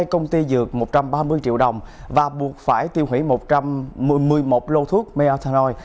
hai công ty dược một trăm ba mươi triệu đồng và buộc phải tiêu hủy một trăm một mươi một lô thuốc metaroid